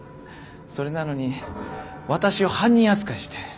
それなのに私を犯人扱いして。